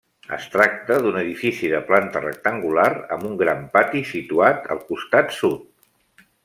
Es tracta d'un edifici de planta rectangular amb un gran pati situat al costat sud.